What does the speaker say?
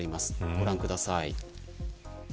ご覧ください。